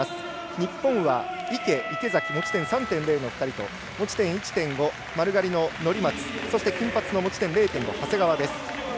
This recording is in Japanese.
日本は池、池崎持ち点３．０の２人と持ち点１．５、丸刈りの乗松そして金髪の持ち点０．５の長谷川。